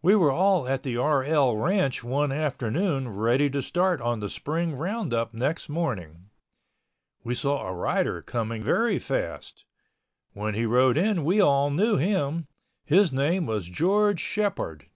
We were all at the RL ranch one afternoon ready to start on the spring roundup next morning. We saw a rider coming very fast. When he rode in we all knew him. His name was George Shepord.